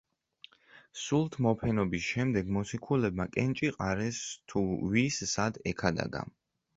სულთმოფენობის შემდეგ მოციქულებმა კენჭი ყარეს თუ ვის სად ექადაგა.